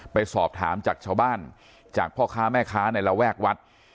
ไปสอบถามจากชาวบ้านจากพ่อค้าแม่ค้าในระแวกวัด